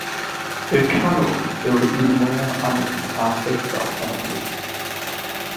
Y canwr yw'r un mwyaf amlwg a lleisiol yn y grŵp.